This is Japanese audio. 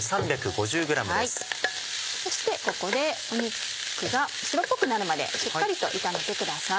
そしてここで肉が白っぽくなるまでしっかりと炒めてください。